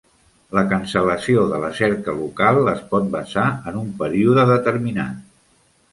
La cancel·lació de la cerca local es pot basar en un període determinat.